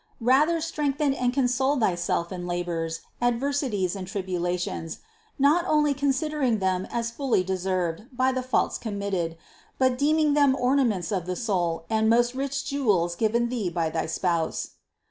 Rather strengthen and con sole thyself in labors, adversities and tribulations, not only considering them as fully deserved by the faults committed, but deeming them ornaments of the soul and most rich jewels given thee by thy Spouse.